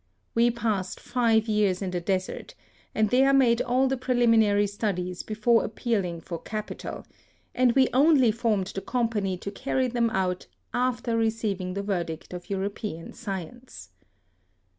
We passed five years in the desert, and there made all the preliminary studies before appealing for capital, and we only formed the company to carry them out after receiving the verdict of European science.